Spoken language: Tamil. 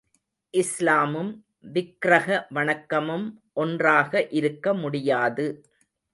இஸ்லாமும், விக்கிரக வணக்கமும் ஒன்றாக இருக்க முடியாது.